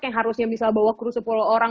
yang harusnya misal bawa kru sepuluh orang